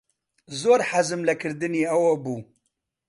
زۆر حەزم لە کردنی ئەوە بوو.